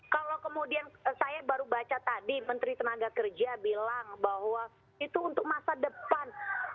kalau kemudian saya baru baca tadi menteri tenaga kerja bilang bahwa itu untuk masa depan